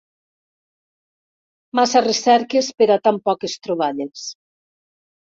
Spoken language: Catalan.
Massa recerques per a tan poques troballes.